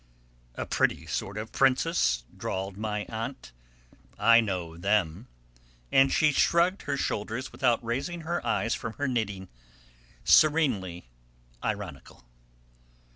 "A pretty sort of princess," drawled my aunt; "I know them," and she shrugged her shoulders without raising her eyes from her knitting, serenely ironical.